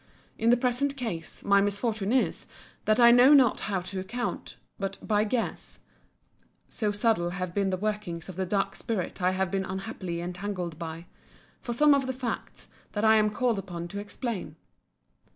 In the present case, my misfortune is, that I know not how to account, but by guess (so subtle have been the workings of the dark spirit I have been unhappily entangled by) for some of the facts that I am called upon to explain.